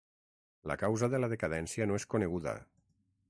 La causa de la decadència no és coneguda.